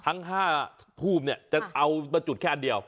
ทั้ง๕ภูมิจะเอามาจุดแค่อันเดียว